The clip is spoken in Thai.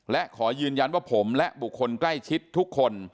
และขอยืนยันว่าผมและบุคคลใกล้ชิดทุกคน